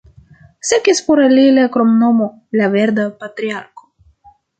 Sekvis por li la kromnomo "la Verda Patriarko".